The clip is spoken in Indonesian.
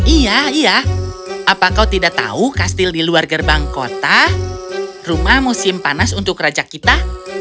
iya iya apa kau tidak tahu kastil di luar gerbang kota rumah musim panas untuk raja kita